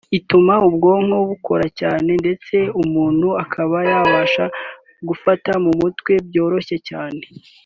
Ituma ubwonko bukura cyane ndetse umuntu akaba yabasha gufata mu mutwe byoroshye cyane